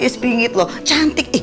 sepingit loh cantik